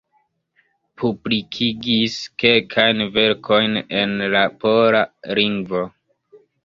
Publikigis kelkajn verkojn en la pola lingvo.